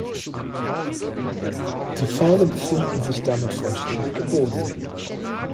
Die Pfähle befinden sich damit vollständig im Boden.